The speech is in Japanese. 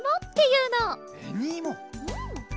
うん。